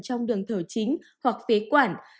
trong đường thở chính hoặc phế quản